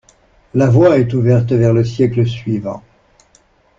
La voie est ouverte vers le siècle suivant.